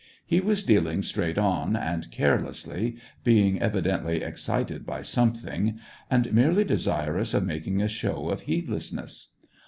He was dealing straight on, and carelessly, being evidently excited by something, — and merely de sirous of making a show of heedlessness.